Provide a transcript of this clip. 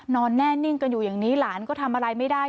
นอนแน่นิ่งกันอยู่อย่างนี้หลานก็ทำอะไรไม่ได้